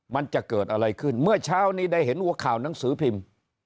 มันจะเกิดอะไรขึ้นเมื่อเช้านี้ได้เห็นหัวข่าวหนังสือพิมพ์